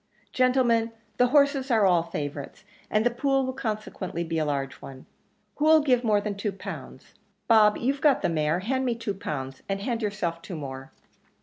Gentlemen, the horses are all favourites, and the pool will consequently be a large one. Who'll give more than two pounds? Bob, you've got the mare; hand me two pound, and hand yourself two more."